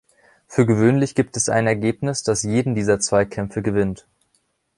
Für gewöhnlich gibt es ein Ergebnis, das jeden dieser Zweikämpfe gewinnt.